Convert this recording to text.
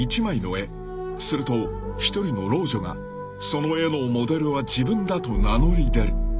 ［すると一人の老女がその絵のモデルは自分だと名乗り出る］